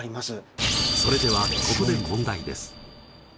それではここで問題です。